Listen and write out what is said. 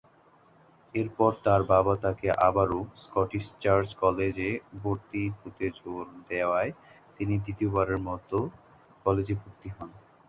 এরপর তার বাবা তাকে আবারো স্কটিশ চার্চ কলেজে ভর্তি হতে জোর দেওয়ায় তিনি দ্বিতীয়বারের মতো তিনি কলেজে ভর্তি হন।